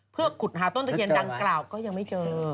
เพื่อขุดหาต้นตะเคียนดังกล่าวก็ยังไม่เจอ